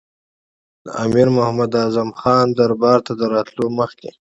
د امیر محمد اعظم خان دربار ته له راتللو مخکې.